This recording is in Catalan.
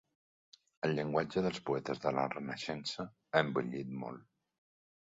El llenguatge dels poetes de la Renaixença ha envellit molt.